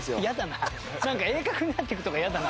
なんか「鋭角になっていく」とか嫌だな。